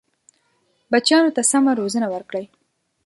بچیانو ته سمه روزنه ورکړئ.